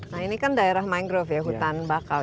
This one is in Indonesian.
nah ini kan daerah mangrove ya hutan bakau